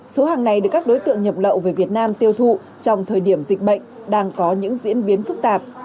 số hàng này được các đối tượng nhập lậu về việt nam tiêu thụ trong thời điểm dịch bệnh đang có những diễn biến phức tạp